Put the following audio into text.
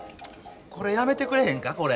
これやめてくれへんかこれ。